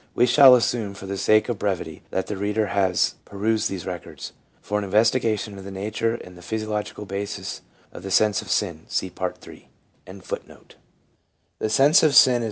We shall assume, for the sake of brevity, that the reader has perused these records. For an investigation into the nature and the physiological basis of the sense of sin, see Part III.